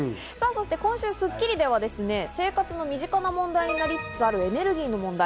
そして、今週『スッキリ』では生活の身近な問題になりつつあるエネルギーの問題。